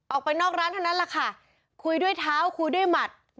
ออกไปนอกร้านเท่านั้นแหละค่ะคุยด้วยเท้าคุยด้วยหมัด